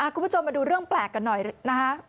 คุณผู้ชมมาดูเรื่องแปลกกันหน่อยนะฮะ